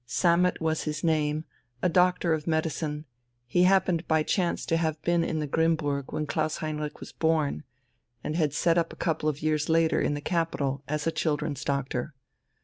Sammet was his name, a doctor of medicine; he happened by chance to have been in the Grimmburg when Klaus Heinrich was born, and had set up a couple of years later in the capital as a children's doctor.